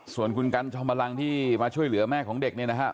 ส่วนคุณกันชมพลังที่มาช่วยเหลือแม่ของเด็กเนี่ยนะฮะ